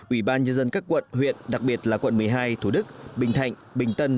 ủy ban nhân dân các quận huyện đặc biệt là quận một mươi hai thủ đức bình thạnh bình tân